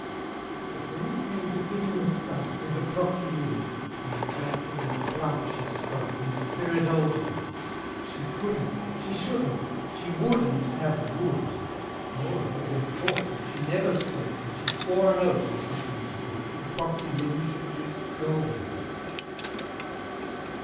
But when it came to fitting the stump With a proxy limb then flatly and plump She spoke, in the spirit olden; She couldn't she shouldn't she wouldn't have wood! Nor a leg of cork, if she never stood, And she swore an oath, or something as good, The proxy limb should be golden!